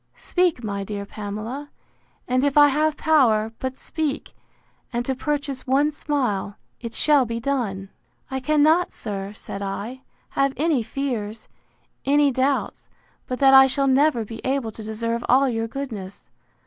—Speak, my dear Pamela; and if I have power, but speak, and to purchase one smile, it shall be done! I cannot, sir, said I, have any fears, any doubts, but that I shall never be able to deserve all your goodness.